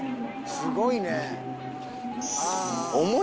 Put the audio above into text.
すごいね。